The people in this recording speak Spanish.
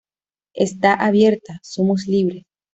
¡ Está abierta! ¡ somos libres!